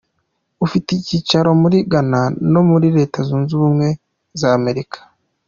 Ufite icyicaro muri Ghana no muri Leta Zunze Ubumwe za Amerika.